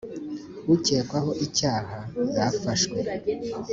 ukekwaho icyaha yafashwe.